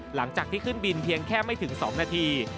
หลังจากที่ขึ้นบินเพียงแค่ไม่ถึง๒นาที